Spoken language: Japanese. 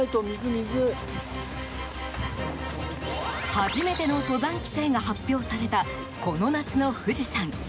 初めての登山規制が発表されたこの夏の富士山。